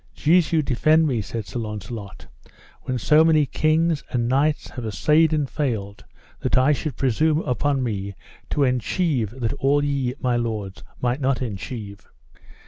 Jesu defend me, said Sir Launcelot, when so many kings and knights have assayed and failed, that I should presume upon me to enchieve that all ye, my lords, might not enchieve.